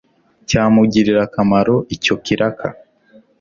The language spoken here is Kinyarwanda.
cyamugirira akamaro icyo kiraka